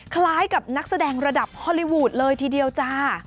คล้ายกับนักแสดงระดับฮอลลี่วูดเลยทีเดียวจ้า